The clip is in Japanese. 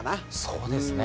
そうですね。